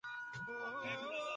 ওহ, হ্যাঁ, ঘোড়াওয়ালী।